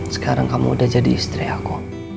sekarang kamu udah jadi istri aku